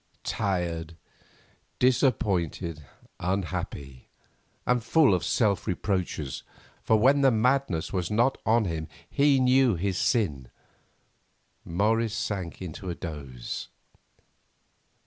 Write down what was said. Tired, disappointed, unhappy, and full of self reproaches, for when the madness was not on him he knew his sin, Morris sank into a doze.